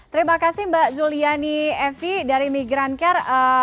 terima kasih mbak zuliani evi dari migrancare